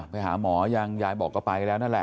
ไปหาหมอยังยายบอกก็ไปแล้วนั่นแหละ